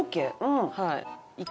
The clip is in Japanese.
はい。